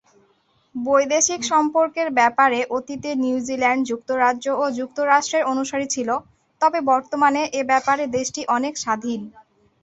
বৈদেশিক সম্পর্কের ব্যাপারে অতীতে নিউজিল্যান্ড যুক্তরাজ্য ও যুক্তরাষ্ট্রের অনুসারী ছিল, তবে বর্তমানে এ ব্যাপারে দেশটি অনেক স্বাধীন।